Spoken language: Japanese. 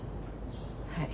はい。